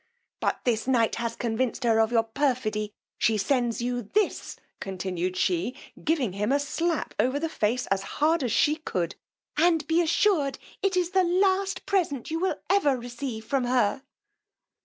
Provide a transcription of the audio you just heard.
but this night has convinced her of your perfidy: she sends you this, continued she, giving him a slap over the face as hard as she could, and be assured it is the last present you will ever receive from her.